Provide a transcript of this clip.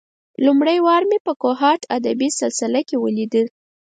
لومړۍ وار مې په کوهاټ ادبي سلسله کې ولېده.